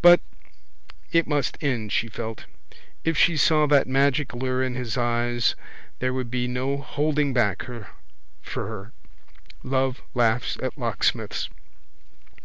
But it must end, she felt. If she saw that magic lure in his eyes there would be no holding back for her. Love laughs at locksmiths.